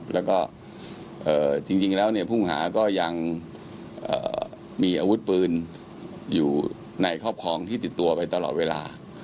แล้วก็จริงแล้วเนี่ยผู้ต้องหาก็ยังมีอาวุธปืนอยู่ในครอบครองที่ติดตัวไปตลอดเวลา